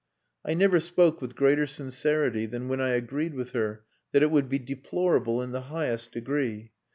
I never spoke with greater sincerity than when I agreed with her that it would be deplorable in the highest degree.